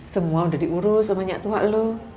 semua udah diurus sama nyatua lo